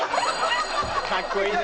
かっこいいね！